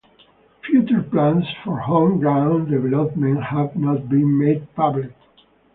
Future plans for home ground development have not been made public.